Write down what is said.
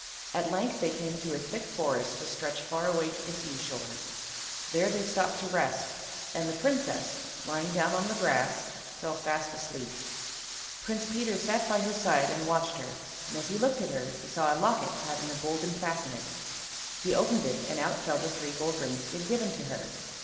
At length they came to a thick forest which stretched far away to the seashore. There they stopped to rest, and the Princess, lying down on the grass, fell fast asleep. Prince Peter sat by her side and watched her, and as he looked at her he saw a locket having a golden fastening. He opened it and out fell the three gold rings he had given to her.